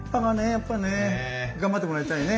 やっぱりね頑張ってもらいたいね。